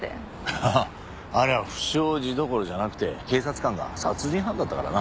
あああれは不祥事どころじゃなくて警察官が殺人犯だったからな。